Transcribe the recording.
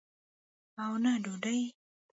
او نه ډوډۍ.